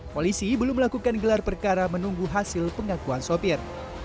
polisi belum melakukan gelar perkara menunggu hasil pengakuan sopir